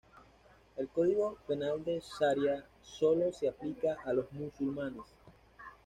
El código penal de la Sharia sólo se aplica a los musulmanes.